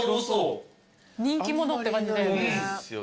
人気者って感じだよね。